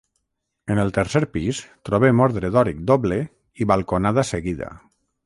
En el tercer pis trobem ordre dòric doble i balconada seguida.